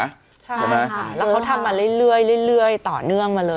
ใช่ไหมค่ะแล้วเขาทำมาเรื่อยต่อเนื่องมาเลย